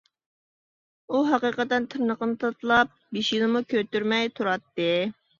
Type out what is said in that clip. ئۇ ھەقىقەتەن تىرنىقىنى تاتىلاپ، بېشىنىمۇ كۆتۈرمەي تۇراتتى.